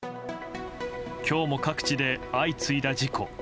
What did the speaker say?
今日も各地で相次いだ事故。